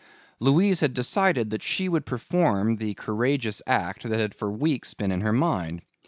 Louise had decided that she would perform the courageous act that had for weeks been in her mind.